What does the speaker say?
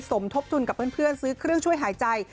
สมทบทุนกับเพื่อนซื้อเครื่องช่วยหายใจ